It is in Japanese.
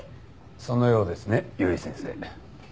そのようですね由井先生。